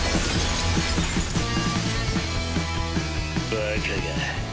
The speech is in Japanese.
バカが。